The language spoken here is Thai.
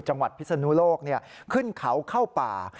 จังหวัดพิษณุโลกขึ้นเขาเข้าป่า